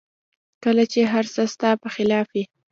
کله چې هر څه ستا په خلاف وي